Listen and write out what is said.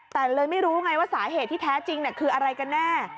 แต่เลยไม่รู้ไงว่าสาเหตุที่แท้จริงคืออะไรกันแน่